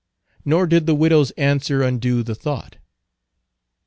Nor did the widow's answer undo the thought.